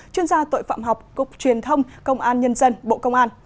chuyên gia tội phạm học cục truyền thông công an nhân dân bộ công an